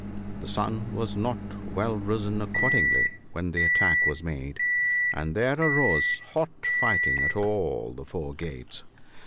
The sun was not well risen accordingly when the attack was made, and there arose hot fighting at all the four gates.